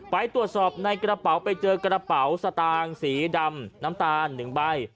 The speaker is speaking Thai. ไปตรวจสอบในกระเป๋าไปเจอกระเป๋าสตางค์สีดำน้ำตาล๑ใบ